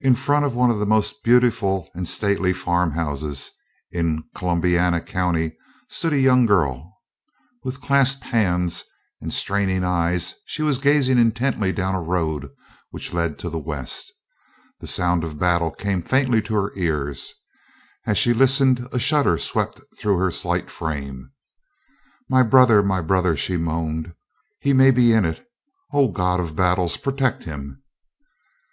In front of one of the most beautiful and stately farm houses in Columbiana County stood a young girl. With clasped hands and straining eyes she was gazing intently down a road which led to the west. The sound of battle came faintly to her ears. As she listened, a shudder swept through her slight frame. "My brother! My brother!" she moaned, "he may be in it. O God of battles, protect him!"